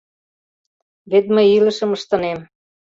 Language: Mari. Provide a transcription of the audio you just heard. Вет мый илышым ыштынем.